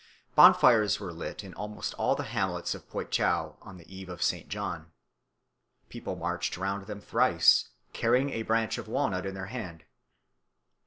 Bonfires were lit in almost all the hamlets of Poitou on the Eve of St. John. People marched round them thrice, carrying a branch of walnut in their hand.